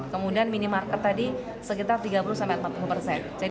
kemudian minimarket tadi sekitar tiga puluh empat puluh persen